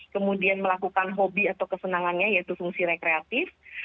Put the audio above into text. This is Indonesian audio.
kemudian melakukan hobi atau kesenangannya yaitu fungsi rekreatif